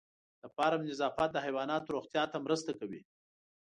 د فارم نظافت د حیواناتو روغتیا ته مرسته کوي.